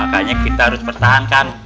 makanya kita harus pertahankan